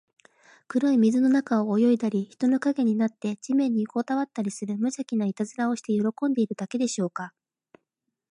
黒い水の中を泳いだり、人の影になって地面によこたわったりする、むじゃきないたずらをして喜んでいるだけでしょうか。